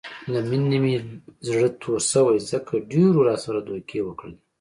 له مینې نه مې زړه تور شوی، ځکه ډېرو راسره دوکې وکړلې.